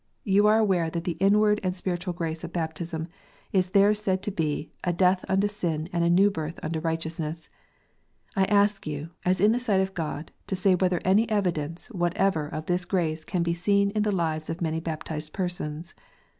You are aware that the inward and spiritual grace of baptism is there said to be "a death unto sin and a new birth into right eousness." I ask you, as in the sight of God, to say whether any evidence whatever of this grace can be seen in the lives of many baptized persons.